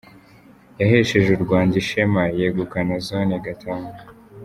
yahesheje u Rwanda ishema yegukana Zone Gatanu